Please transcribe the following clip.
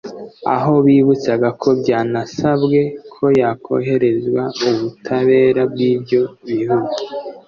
aho bibutsaga ko byanasabwe ko yakohererezwa ubutabera bw’ibyo bihugu